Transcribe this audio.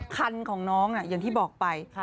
คันของน้องเนี่ยอย่างที่บอกไป๔๔๐๐